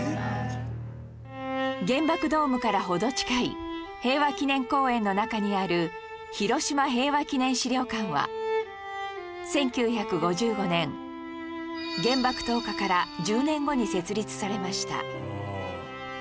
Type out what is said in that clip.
原爆ドームから程近い平和記念公園の中にある広島平和記念資料館は１９５５年原爆投下から１０年後に設立されました